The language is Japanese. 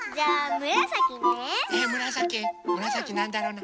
むらさきなんだろうな。